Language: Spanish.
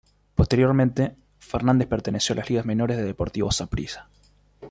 Posteriormente, Fernández perteneció a las ligas menores del Deportivo Saprissa.